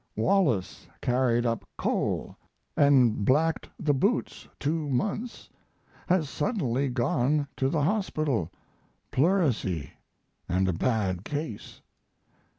Wallace carried up coal & blacked the boots two months has suddenly gone to the hospital pleurisy and a bad case.